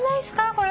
これ。